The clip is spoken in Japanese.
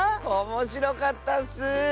おもしろかったッス！